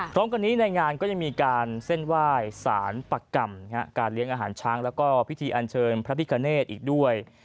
พร้อมกันนี้ในงานก็ยังมีการเส้นไหว้สารปกรรมการเลี้ยงอาหารช้างแล้วก็พิธีอันเชิญพระพิกาเนตอีกด้วย